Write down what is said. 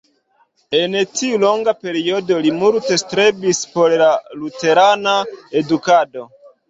En tiu longa periodo li multe strebis por la luterana edukado.